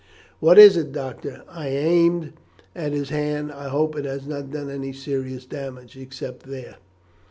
"What is it, doctor? I aimed at his hand. I hope it has not done any serious damage, except there."